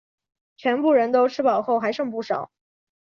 全部人都吃饱后还剩不少